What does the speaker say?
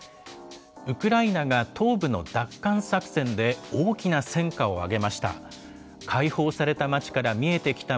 ウクライナが東部の奪還作戦で大きな戦果を上げました。